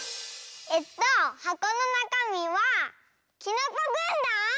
えっとはこのなかみはきのこぐんだん！